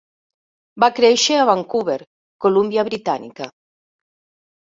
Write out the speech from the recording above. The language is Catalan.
Va créixer a Vancouver, Columbia Britànica.